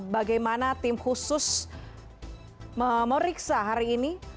bagaimana tim khusus memeriksa hari ini